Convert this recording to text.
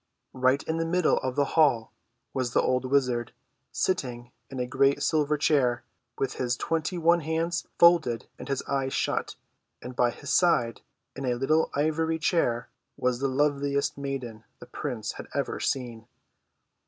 Right in the middle of the hall was the old wizard, sitting in a great silver chair, with his twenty one hands folded and his eyes shut, and by his side, in a little ivory chair, was the loveliest maiden the prince had ever seen.